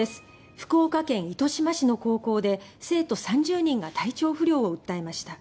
福岡県糸島市の高校で生徒３０人が体調不良を訴えました。